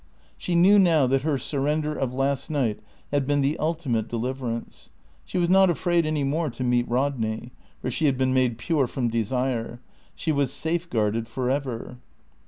She knew now that her surrender of last night had been the ultimate deliverance. She was not afraid any more to meet Rodney; for she had been made pure from desire; she was safeguarded forever.